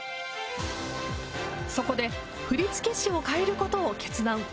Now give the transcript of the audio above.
そこで振付師を変えることを決断。